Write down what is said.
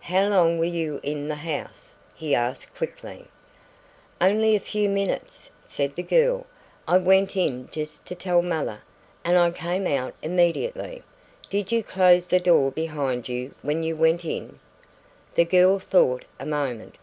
"How long were you in the house?" he asked quickly. "Only a few minutes," said the girl. "I went in just to tell mother, and I came out immediately." "Did you close the door behind you when you went in?" The girl thought a moment.